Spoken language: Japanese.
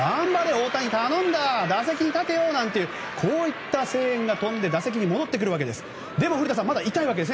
大谷打席に立てよ！なんていうこういった声援が飛んで打席に戻ってくるわけです。